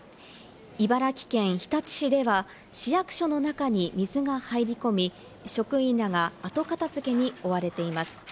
茨城県日立市では市役所の中に水が入り込み、職員らが後片付けに追われています。